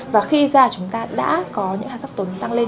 và khi da chúng ta đã có những sắc tố tăng lên